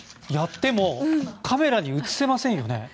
やってもカメラに映せませんよね。